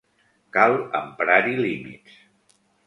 Cal emprar-hi límits.